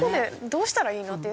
どうしたらいいのって。